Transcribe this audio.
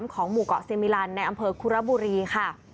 ของหมู่เกาะเซมิลันในอำเภอคุระบุรีค่ะ